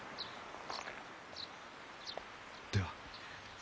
では。